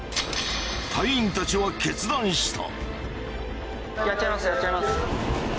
隊員たちは決断した。